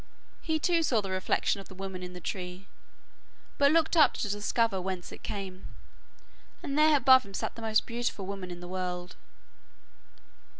He too saw the reflection of the woman in the tree, but looked up to discover whence it came, and there above him sat the most beautiful woman in the world.